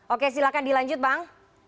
oke silakan dilanjut bang